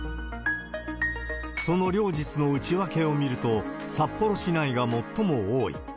その両日の内訳を見ると、札幌市内が最も多い。